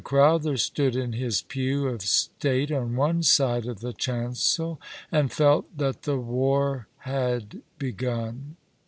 Crowther stood in his pew of state on one side of the chancel, and felt that the war had begun.